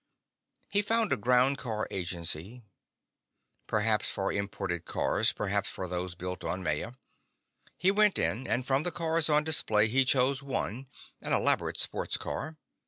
He found a ground car agency, perhaps for imported cars, perhaps for those built on Maya. He went in and from the cars on display he chose one, an elaborate sports car.